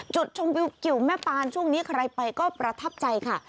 จุดชมวิวกิวแม่ปานช่วงนี้ใครไปก็ประทับใจค่ะ